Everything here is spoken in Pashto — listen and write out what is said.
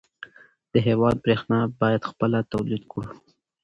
د هېواد برېښنا باید خپله تولید کړو.